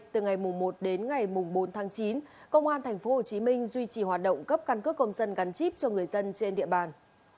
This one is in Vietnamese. từ ngày mùng một đến ngày mùng bốn tháng chín công an thành phố hồ chí minh duy trì hoạt động cấp căn cước công dân gắn chip cho người dân trên địa bàn